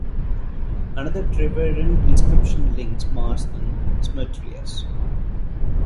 Another Treveran inscription links Mars and Smertrius.